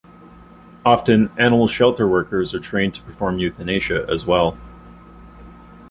Often animal shelter workers are trained to perform euthanasia as well.